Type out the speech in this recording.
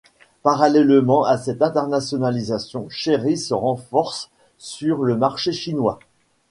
Parallèlement à cette internationalisation, Chery se renforce sur le marché chinois.